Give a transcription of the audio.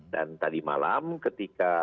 dan tadi malam ketika